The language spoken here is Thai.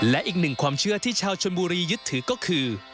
และอีกหนึ่งความเชื่อที่ชาวชนบุรียึดถือก็คือ